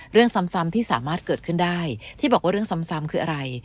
เรื่องซ้ำที่สามารถเกิดขึ้นได้ที่บอกว่าเรื่องซ้ำคืออะไร